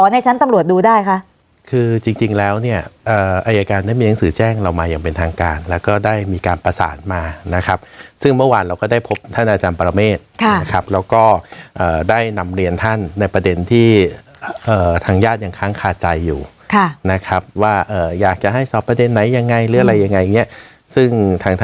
ในชั้นตำรวจดูได้ค่ะคือจริงจริงแล้วเนี่ยเอ่ออัยการได้มีหนังสือแจ้งเรามาอย่างเป็นทางการแล้วก็ได้มีการประสานมานะครับซึ่งเมื่อวานเราก็ได้พบท่านอาจารย์ปรเมฆค่ะนะครับแล้วก็เอ่อได้นำเรียนท่านในประเด็นที่เอ่อทางญาติยังค้างคาดใจอยู่ค่ะนะครับว่าเอ่ออยากจะให้สอบประเด็นไหนยัง